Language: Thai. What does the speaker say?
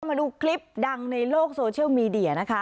มาดูคลิปดังในโลกโซเชียลมีเดียนะคะ